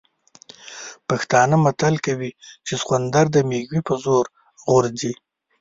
پښتانه متل کوي چې سخوندر د مېږوي په زور غورځي.